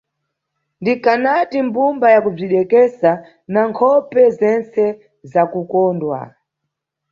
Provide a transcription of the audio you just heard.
Ndikanati mbumba yakubzidekesa na nkhope zentse zakukondwa.